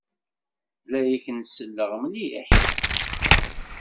La ak-n-selleɣ mliḥ.